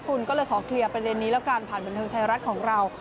คุณก็เลยขอเคลียร์ประเด็นนี้แล้วกันผ่านบันเทิงไทยรัฐของเรา